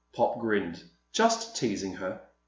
Pop grinned. "Just teasing her."